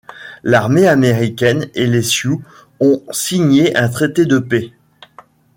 L'armée américaine et les Sioux ont signé un traité de paix.